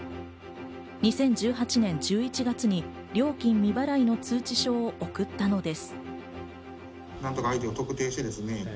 ２０１８年１１月に料金未払いの通知書を送ったのです。